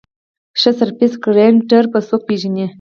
ښه سرفېس ګرېنډر به څوک پېژني ؟